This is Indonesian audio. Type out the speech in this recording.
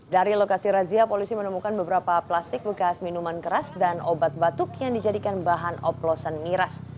dari lokasi razia polisi menemukan beberapa plastik bekas minuman keras dan obat batuk yang dijadikan bahan oplosan miras